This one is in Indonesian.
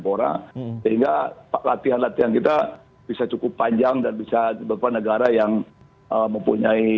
pora sehingga latihan latihan kita bisa cukup panjang dan bisa beberapa negara yang mempunyai